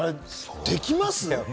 できます？